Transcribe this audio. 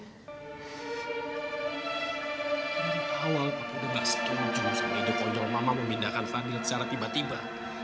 dari awal papa udah gak setuju sama hidup konyol mama memindahkan fadil secara tiba tiba